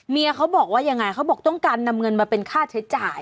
เขาบอกว่ายังไงเขาบอกต้องการนำเงินมาเป็นค่าใช้จ่าย